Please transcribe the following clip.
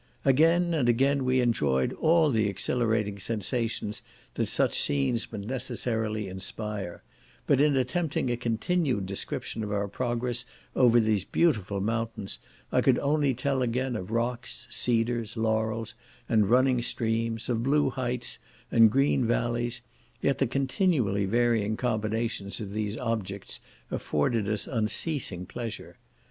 Again and again we enjoyed all the exhilarating sensations that such scenes must necessarily inspire, but in attempting a continued description of our progress over these beautiful mountains, I could only tell again of rocks, cedars, laurels, and running streams, of blue heights, and green vallies, yet the continually varying combinations of these objects afforded us unceasing pleasure.